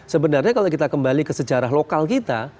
sebenarnya kalau kita kembali ke sejarah lokal kita